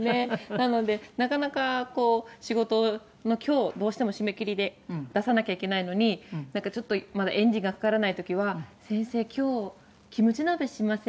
なのでなかなかこう仕事の今日どうしても締め切りで出さなきゃいけないのになんかちょっとまだエンジンがかからない時は「先生今日キムチ鍋しませんか？」